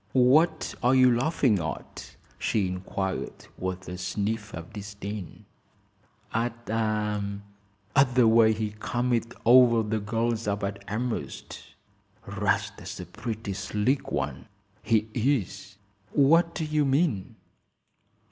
"What are you laughing at?" she inquired, with a sniff of disdain. "At at the way he come it over the gals up at Elmhurst. 'Rast's a pretty slick one, he is!" "What do you mean?"